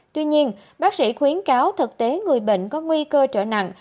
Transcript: tuy nhiên bác sĩ khuyến cáo thực tế người bệnh có nguy cơ trở nặng